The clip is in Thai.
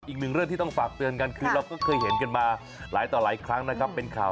อีกหนึ่งเรื่องที่ต้องฝากเตือนกันคือเราก็เคยเห็นกันมาหลายต่อหลายครั้งนะครับเป็นข่าว